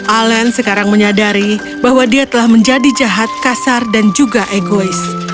alen sekarang menyadari bahwa dia telah menjadi jahat kasar dan juga egois